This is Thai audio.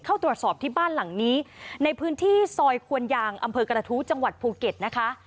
เข้าตรวจสอบที่บ้านหลังนี้ในพื้นที่ซอยควนยางอำเภอกระทู้จังหวัดภูเก็ตนะคะ